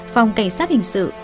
phòng cảnh sát hình sự